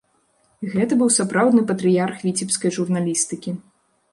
Гэта быў сапраўдны патрыярх віцебскай журналістыкі.